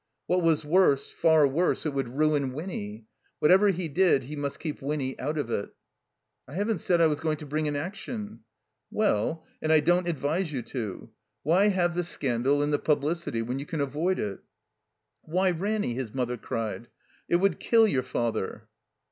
What was worse, far worse, it would ruin Winny. Whatever he did he must keep Winny out of it. "I haven't said I was going to bring ^ action." "Well — ^and I don't advise you to. Why have the scandal and the publidty when you can avoid it?" "Why, Ranny," his mother cried, "it would kill yoiu" Father."